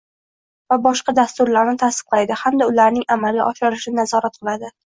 va boshqa dasturlarni tasdiqlaydi hamda ularning amalga oshirilishini nazorat qiladi;